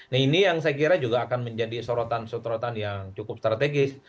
nah ini yang saya kira juga akan menjadi sorotan sotrotan yang cukup strategis